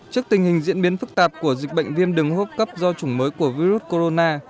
trước tình hình diễn biến phức tạp của dịch bệnh viêm đường hô hấp cấp do chủng mới của virus corona